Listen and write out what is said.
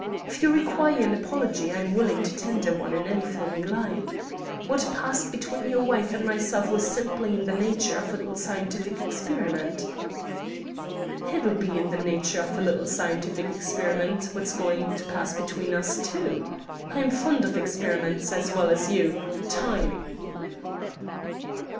If you require an apology I am willing to tender one in any form you like. What passed between your wife and myself was simply in the nature of a little scientific experiment." "It'll be in the nature of a little scientific experiment what's going to pass between us too. I'm fond of experiments as well as you. Time!"